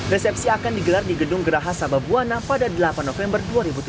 resepsi akan digelar di gedung geraha sababwana pada delapan november dua ribu tujuh belas